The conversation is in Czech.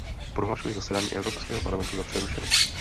Prohlašuji zasedání Evropského parlamentu za přerušené.